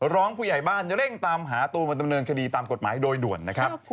ร้องผู้ใหญ่บ้านเร่งตามหาตัวมาดำเนินคดีตามกฎหมายโดยด่วนนะครับ